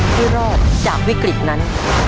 ให้รอดจากวิกฤตนั้น